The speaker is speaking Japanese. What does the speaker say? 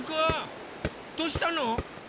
どうしたの？